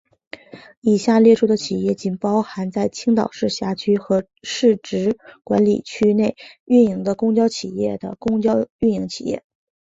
以下列出的企业仅包含在青岛市辖区和市直管理区内运营的公交企业的公交运营企业。